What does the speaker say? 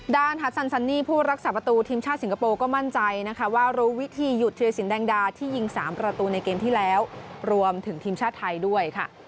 ฮัสซันซันนี่ผู้รักษาประตูทีมชาติสิงคโปร์ก็มั่นใจนะคะว่ารู้วิธีหยุดธิรสินแดงดาที่ยิง๓ประตูในเกมที่แล้วรวมถึงทีมชาติไทยด้วยค่ะ